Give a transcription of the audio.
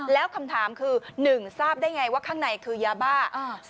แล้วคำถามคือ๑ทราบได้ไงว่าข้างในคือยาบ้า